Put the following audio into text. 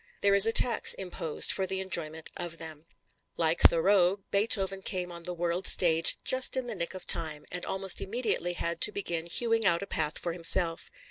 There is a tax imposed for the enjoyment of them. Like Thoreau, Beethoven came on the world's stage "just in the nick of time," and almost immediately had to begin hewing out a path for himself.